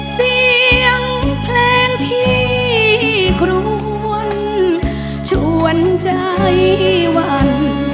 เสียงเพลงพี่ครวนชวนใจวัน